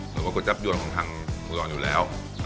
หรือว่ากวยแจ๊บโยนของทางบุหรองอยู่แล้ว